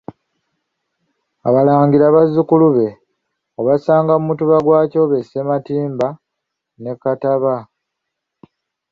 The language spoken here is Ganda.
Abalangira bazzukulu be, obasanga mu Mutuba gwa Kyobe Sematimba ne Kattaba.